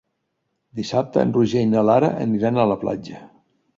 Dissabte en Roger i na Lara aniran a la platja.